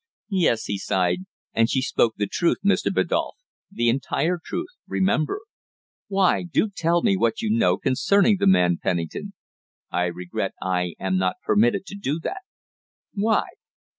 "Yes," he sighed. "And she spoke the truth, Mr. Biddulph the entire truth, remember." "Why? Do tell me what you know concerning the man Pennington." "I regret that I am not permitted to do that." "Why?"